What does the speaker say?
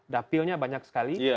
dapilnya banyak sekali